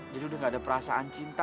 jadi udah nggak ada perasaan cinta